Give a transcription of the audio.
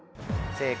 正解！